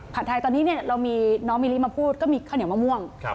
ไทยตอนนี้เรามีน้องมิลิมาพูดก็มีข้าวเหนียวมะม่วง